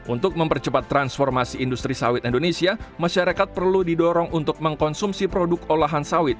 untuk mempercepat transformasi industri sawit indonesia masyarakat perlu didorong untuk mengkonsumsi produk olahan sawit